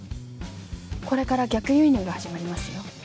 これから逆輸入が始まりますよ